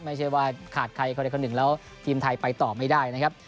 ไม่ใช่ว่าขาดใครคนใดคนหนึ่งแล้วทีมไทยไปต่อไม่ได้นะครับ